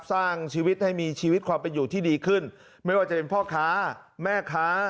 สร้างชีวิตให้มีชีวิตความเป็นอยู่ที่ดีขึ้นไม่ว่าจะเป็นพ่อค้าแม่ค้า